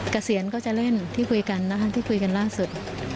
เกษียณก็จะเล่นที่คุยกันนะคะที่คุยกันล่าสุด